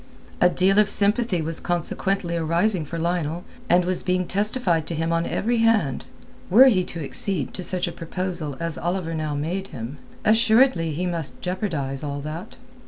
A deal of sympathy was consequently arising for Lionel and was being testified to him on every hand. Were he to accede to such a proposal as Oliver now made him, assuredly he must jeopardize all that.